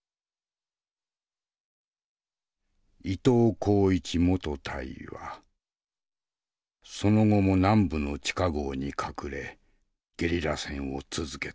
伊東孝一元大尉はその後も南部の地下壕に隠れゲリラ戦を続けた。